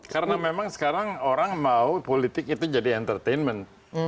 karena memang sekarang orang mau politik itu jadi entertainment